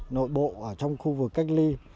nội bộ ở trong khu vực cách ly